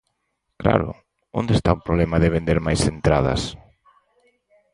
Claro, ¿onde está o problema de vender máis entradas?